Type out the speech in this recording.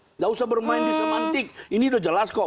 tidak usah bermain disemantik ini sudah jelas kok